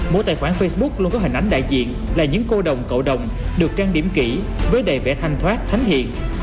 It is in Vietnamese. mỗi tài khoản facebook luôn có hình ảnh đại diện là những cô đồng cậu đồng được trang điểm kỹ với đầy vẽ thanh thoát thánh hiền